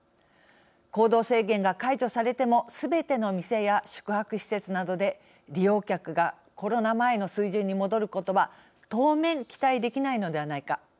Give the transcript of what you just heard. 行動制限が解除されてもすべての店や宿泊施設などで利用客がコロナ前の水準に戻ることは当面、期待できないのではないか。